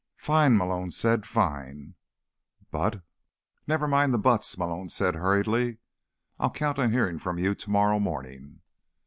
"Fine," Malone said. "Fine." "But—" "Never mind the buts," Malone said hurriedly. "I'll count on hearing from you tomorrow morning."